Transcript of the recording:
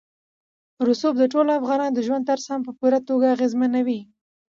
رسوب د ټولو افغانانو د ژوند طرز هم په پوره توګه اغېزمنوي.